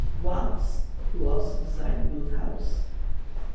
Watts, who also designed Booth House.